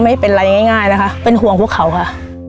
ไม่เป็นไรง่ายนะคะเป็นห่วงพวกเขาค่ะ